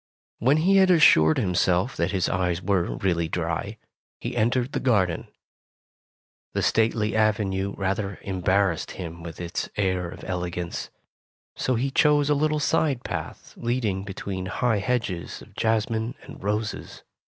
When he had assured himself that his eyes were really dry, he entered the garden. The stately avenue rather embarrassed him with its air of elegance. So he chose a little side path leading between high hedges of jasmine and roses.